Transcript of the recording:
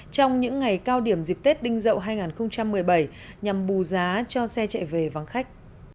trong những ngày cao điểm dịp tết đinh dậu hai nghìn một mươi bảy nhằm bù giá cho xe chạy về vắng khách